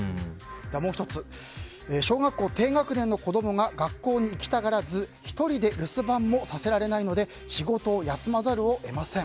もう１つ、小学校低学年の子供が学校に行きたがらず１人で家に置いておくわけにもいかないので仕事を休まざるを得ません。